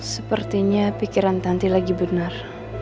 sepertinya pikiran tanti lagi benar